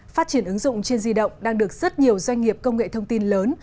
phát triển ứng dụng trên di động đang được rất nhiều doanh nghiệp công nghệ thông tin lớn